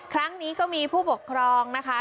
ครั้งนี้ก็มีผู้ปกครองนะคะ